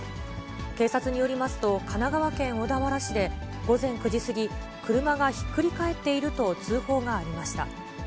警察によりますと、神奈川県小田原市で午前９時過ぎ、車がひっくり返っていると通報がありました。